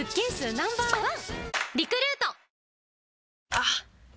あっ！